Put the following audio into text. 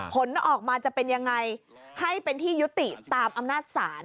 ผลออกมาจะเป็นยังไงให้เป็นที่ยุติตามอำนาจศาล